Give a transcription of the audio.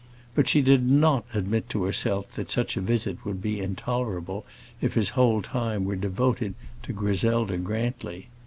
But she did not admit to herself that such a visit would be intolerable if his whole time were devoted to Griselda Grantly.